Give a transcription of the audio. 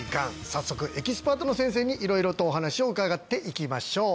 早速エキスパートの先生に色々とお話を伺っていきましょう